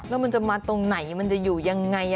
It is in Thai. แล้วมันจะมาตรงไหนยังไง